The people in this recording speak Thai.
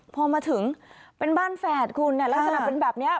พอมาถึงเป็นบ้านแฝดคุณเนี่ยลักษณะเป็นแบบนี้